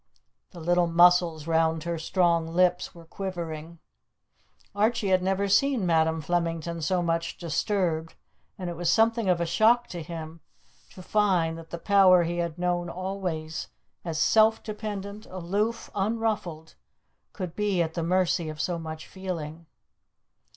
The little muscles round her strong lips were quivering. Archie had never seen Madam Flemington so much disturbed, and it was something of a shock to him to find that the power he had known always as self dependent, aloof, unruffled, could be at the mercy of so much feeling.